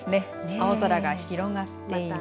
青空が広がっています。